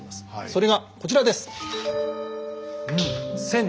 それがこちらです。